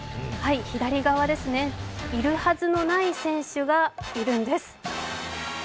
左側ですね、いるはずのない選手がいるんです。